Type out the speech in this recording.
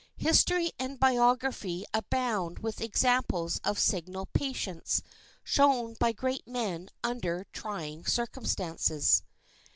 History and biography abound with examples of signal patience shown by great men under trying circumstances.